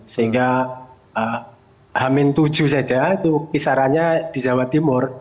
sehingga hamin tujuh saja itu kisarannya di jawa timur